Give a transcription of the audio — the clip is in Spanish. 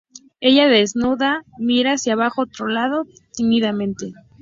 Ella, desnuda, mira hacia otro lado, tímidamente.